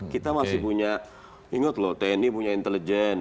kita masih punya ingat loh tni punya intelijen